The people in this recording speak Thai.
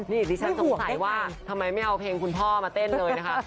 นี่ดิฉันสงสัยว่าทำไมไม่เอาเพลงคุณพ่อมาเต้นเลยนะคะ